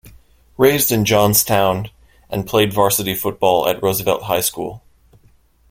Raised in Johnstown and played varsity football at Roosevelt High School.